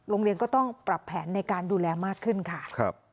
โรงเรียนก็ต้องปรับแผนในการดูแลมากขึ้นค่ะ